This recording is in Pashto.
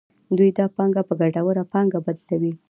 دوی دا پانګه په ګټوره پانګه بدلوي